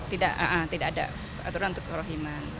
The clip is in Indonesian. tidak ada aturan untuk kerohiman